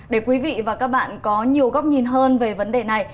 để quý vị và các bạn có nhiều góc nhìn hơn về vấn đề này